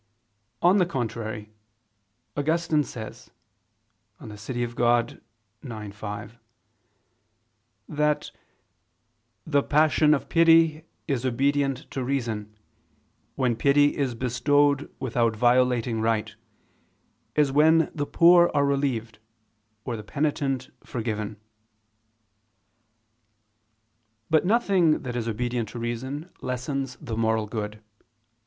On the contrary, Augustine says (De Civ. Dei ix, 5) that "the passion of pity is obedient to reason, when pity is bestowed without violating right, as when the poor are relieved, or the penitent forgiven." But nothing that is obedient to reason lessens the moral good.